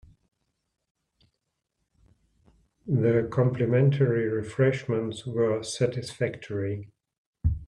The complimentary refreshments were satisfactory.